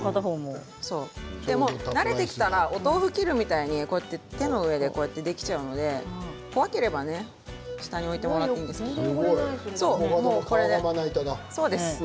慣れてきたらお豆腐を切るみたいに手の上でもできますから怖ければ置いてもらってもいいですけどね。